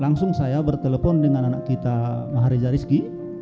langsung saya bertelepon dengan anak kita mahariza rizki